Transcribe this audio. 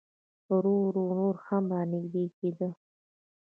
ورو ورو نور هم را نږدې کېده.